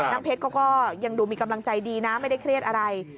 เพชรเขาก็ยังดูมีกำลังใจดีนะไม่ได้เครียดอะไร